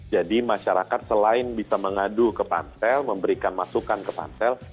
jadi masyarakat selain bisa mengadu ke pansel memberikan masukan ke pansel